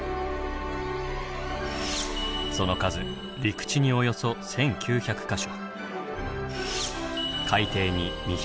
その数陸地におよそ１９００か所。